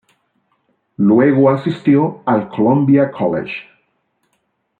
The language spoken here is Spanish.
Luego asistió al Columbia College.